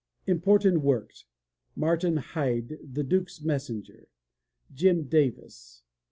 Important Works: Martin Hyde, the Duke's Messenger. Jim Davis.